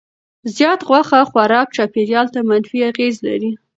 زیات غوښه خوراک چاپیریال ته منفي اغېز لري.